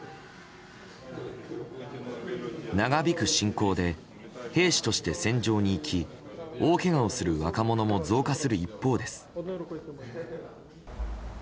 長引く侵攻で兵士として戦場に行き大けがをする若者も増加する一方です。